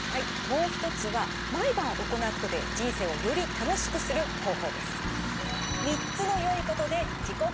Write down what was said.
もう一つは毎晩行うことで人生をより楽しくする方法です。